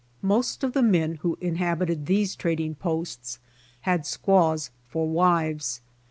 Miost of the men who inhabited these trading posts had squaws for wives.